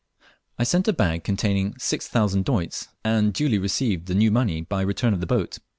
I sent a bag containing 6,000 doits, and duly received the new money by return of the boat.